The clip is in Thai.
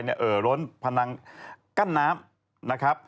เอนล้นพนันกั้นน้ำ